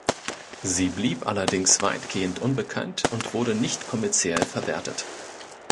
Sie blieb allerdings weitgehend unbekannt und wurde nicht kommerziell verwertet.